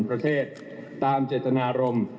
ประเทศตามเจตนารมณ์